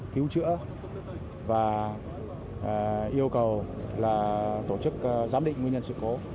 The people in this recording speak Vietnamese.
cứu chữa và yêu cầu là tổ chức giám định nguyên nhân sự cố